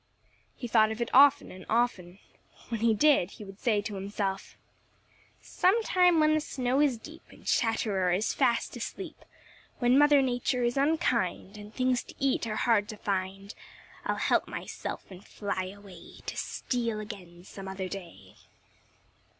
He thought of it often and often. When he did, he would say to himself: "Sometime when the snow is deep And Chatterer is fast asleep, When Mother Nature is unkind And things to eat are hard to find, I'll help myself and fly away To steal again some other day."